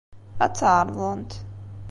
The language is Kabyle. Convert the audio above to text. Ad tt-ɛerḍent.